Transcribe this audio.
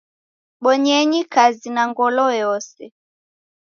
Bonyenyi kazi na ngolo yose.